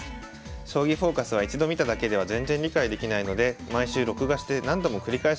『将棋フォーカス』は一度見ただけでは全然理解できないので毎週録画して何度も繰り返し見ています。